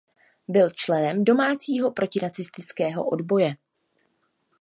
Byl členem domácího protinacistického odboje.